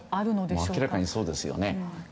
明らかにそうですよね。